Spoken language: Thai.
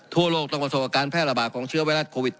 ทั่วโลกต้องประสบกับการแพร่ระบาดของเชื้อไวรัสโควิด